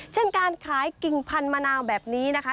เช่นการขายกิ่งพันธมะนาวแบบนี้นะคะ